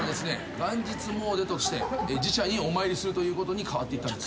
元日詣でとして寺社にお参りするということに変わっていったんですね。